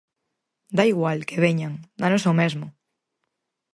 Dá igual, ¡que veñan!, ¿dános o mesmo!